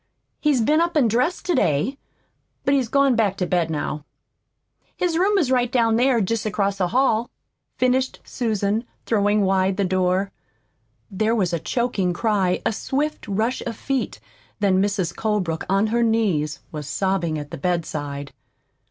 He's been up an' dressed to day, but he's gone back to bed now. His room is right down here, jest across the hall," finished Susan, throwing wide the door. There was a choking cry, a swift rush of feet, then Mrs. Colebrook, on her knees, was sobbing at the bedside.